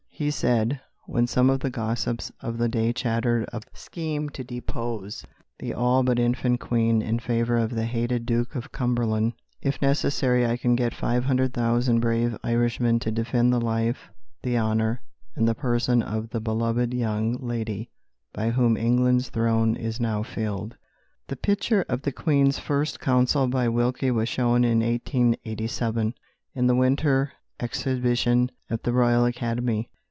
He said, when some of the gossips of the day chattered of a scheme to depose "the all but infant Queen" in favour of the hated Duke of Cumberland, "If necessary I can get 500,000 brave Irishmen to defend the life, the honour, and the person of the beloved young lady by whom England's throne is now filled." The picture of the Queen's first council by Wilkie was shown in 1887 in the winter exhibition at the Royal Academy.